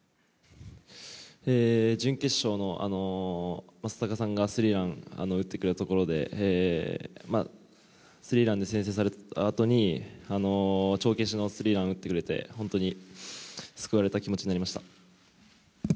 準決勝の正尚さんがスリーランを打ってくれたところでスリーランで先制されたあとに帳消しのスリーラン打ってくれて、本当に救われた気持ちになりました。